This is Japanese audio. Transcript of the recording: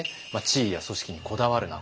「地位や組織にこだわるな！